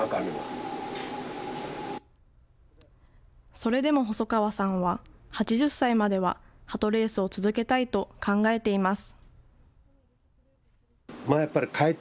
それでも細川さんは、８０歳まではハトレースを続けたいと考えています。